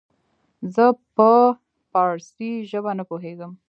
زه په پاړسي زبه نه پوهيږم